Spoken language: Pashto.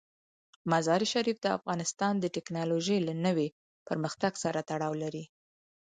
مزارشریف د افغانستان د تکنالوژۍ له نوي پرمختګ سره تړاو لري.